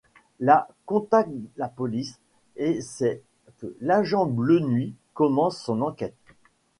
La contacte la police et c'est ainsi que l'agent Bleu Nuit commence son enquête.